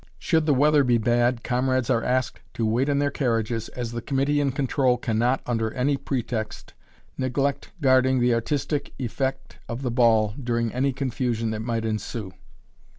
Should the weather be bad, comrades are asked to wait in their carriages, as the committee in control cannot, under any pretext, neglect guarding the artistic effect of the ball during any confusion that might ensue.